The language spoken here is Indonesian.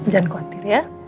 jangan khawatir ya